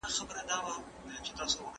سیاست پوهنه زموږ د ژوند لارښود دی.